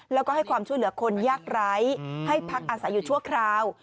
แล้วก็ให้ความช่วยเหลือคนยากไร้ให้พักอาศัยอยู่ชั่วคราว